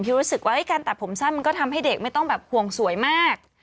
รู้สึกว่าการตัดผมสั้นมันก็ทำให้เด็กไม่ต้องแบบห่วงสวยมาก